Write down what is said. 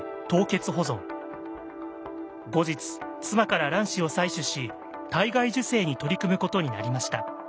後日妻から卵子を採取し体外受精に取り組むことになりました。